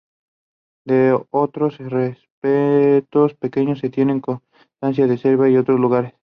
De otros restos pequeños se tiene constancia en Sevilla y otros lugares.